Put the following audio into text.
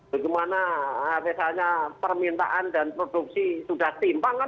bagaimana misalnya permintaan dan produksi sudah timpang kan